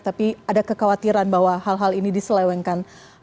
tapi ada kekhawatiran bahwa hal hal ini diselewengkan